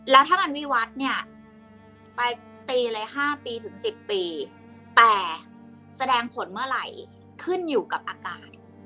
แล้วถ้ามันวิวัติเนี่ยไปตีเลย๕ปีถึง๑๐ปีแต่แสดงผลเมื่อไหร่ขึ้นอยู่กับอากาศ